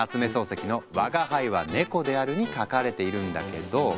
漱石の「吾輩は猫である」に書かれているんだけど。